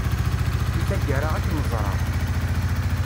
I taggara ad kem-ẓreɣ.